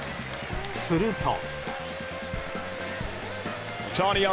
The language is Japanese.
すると。